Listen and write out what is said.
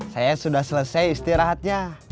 saya sudah selesai istirahatnya